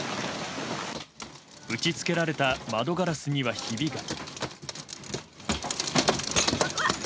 打ち付けられた窓ガラスにはひびが。